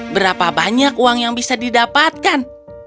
berapa banyak uang yang bisa didapatkan